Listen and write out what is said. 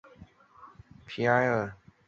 默斯河畔埃皮耶。